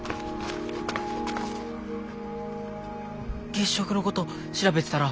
月食のこと調べてたら。